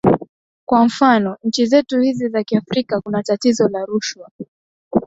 kwa mfano nchi zetu hizi za kiafrika kuna tatizo la rushwa